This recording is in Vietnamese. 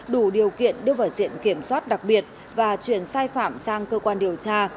đủ điều kiện đưa vào diện kiểm soát đặc biệt và chuyển sai phạm sang cơ quan điều tra